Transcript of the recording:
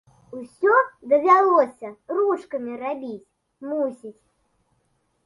Усё давялося ручкамі рабіць, мусіць.